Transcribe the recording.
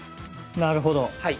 なるほど。